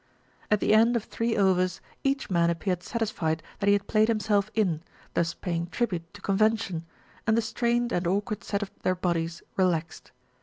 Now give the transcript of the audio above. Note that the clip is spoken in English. At the end of three overs, each man appeared satis fied that he had played himself in, thus paying tribute to convention, and the strained and awkward set of their bodies relaxed.